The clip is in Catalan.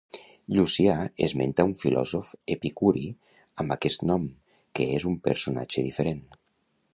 Llucià esmenta un filòsof epicuri amb aquest nom, que és un personatge diferent.